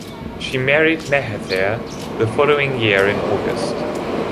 She married Mahathir the following year in August.